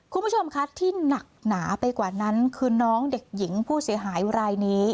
คุณผู้ชมคะที่หนักหนาไปกว่านั้นคือน้องเด็กหญิงผู้เสียหายรายนี้